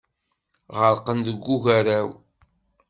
Ɣerqen deg ugaraw.